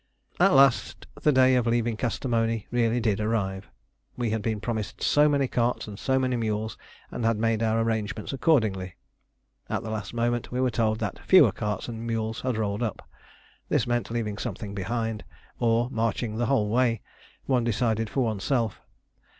At last the day of leaving Kastamoni really did arrive. We had been promised so many carts and so many mules and had made our arrangements accordingly. At the last moment we were told that fewer carts and mules had rolled up. This meant leaving something behind, or marching the whole way one decided for oneself.